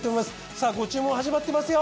さあご注文始まってますよ！